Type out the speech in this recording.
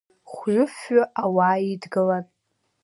Хәҩы-фҩы ауаа идгылан.